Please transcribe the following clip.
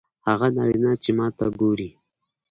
هغه نارینه چې ماته ګوري